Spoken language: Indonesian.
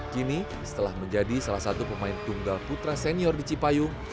kini setelah menjadi salah satu pemain tunggal putra senior di cipayung